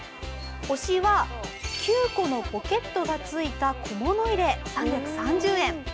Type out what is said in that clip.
推しは９個のポケットがついた小物入れ３３０円。